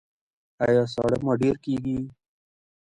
ایا ساړه مو ډیر کیږي؟